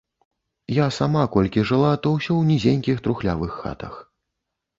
Я сама, колькі жыла, то ўсё ў нізенькіх трухлявых хатах.